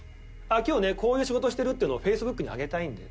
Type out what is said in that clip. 「今日ねこういう仕事をしてるっていうのをＦａｃｅｂｏｏｋに上げたいんで」。